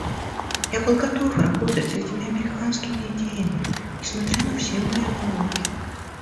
Я был готов работать с этими американскими идеями, несмотря на все мои оговорки.